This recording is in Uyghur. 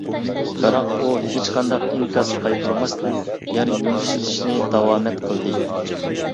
بىراق ئۇ ھېچقانداق ئىنكاس قايتۇرماستىن، يەر يۇمشىتىشنى داۋامەت قىلدى.